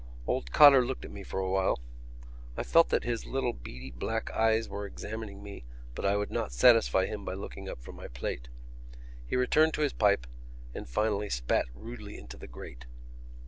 Old Cotter looked at me for a while. I felt that his little beady black eyes were examining me but I would not satisfy him by looking up from my plate. He returned to his pipe and finally spat rudely into the grate.